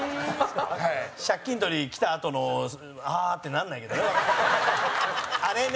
借金取り来たあとのああー！ってならないけどね。